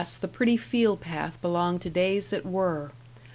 the pretty field path belonged to days that were!)